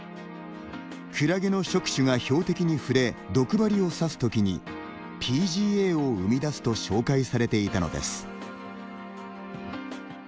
クラゲの触手が標的に触れ毒針を刺すときにＰＧＡを生み出すと紹介されていたのです。